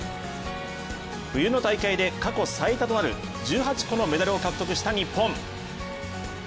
冬の大会で過去最多となる１８個のメダルを獲得した日本。